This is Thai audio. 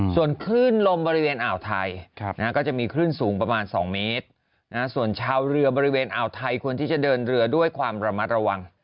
ส่วนคลื่นลมบริเวณอ่าวไทยก็จะมีคลื่นสูงประมาณ๒เมตรส่วนชาวเรือบริเวณอ่าวไทยควรที่จะเดินเรือด้วยความระมัดระวัง